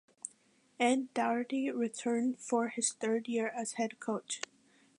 Ed Doherty returned for his third year as head coach.